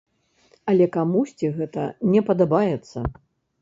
Але камусьці гэта не падабаецца.